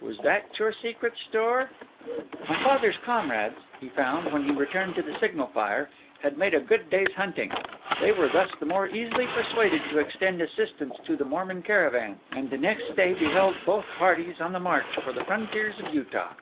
Was that your secret store?' My father's comrades, he found, when he returned to the signal fire, had made a good day's hunting. They were thus the more easily persuaded to extend assistance to the Mormon caravan; and the next day beheld both parties on the march for the frontiers of Utah.